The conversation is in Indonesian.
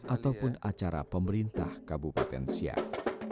ataupun acara pemerintah kabupaten siak